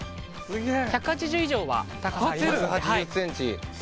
１８０以上は高さあります